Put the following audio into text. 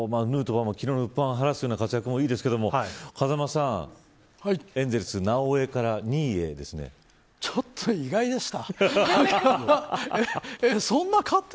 ヌートバーも昨日のうっぷんを晴らすような活躍もいいですけど風間さん、エンゼルスちょっと意外でした。